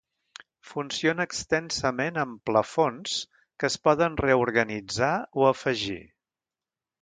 Funciona extensament amb "plafons", que es poden reorganitzar o afegir.